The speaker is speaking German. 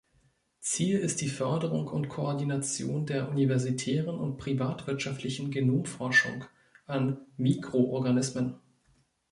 Ziel ist die Förderung und Koordination der universitären und privatwirtschaftlichen Genomforschung an Mikroorganismen.